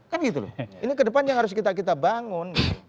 kan gitu loh ini ke depan yang harus kita bangun